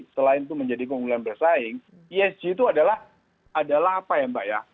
selain itu menjadi keunggulan bersaing esg itu adalah apa ya mbak ya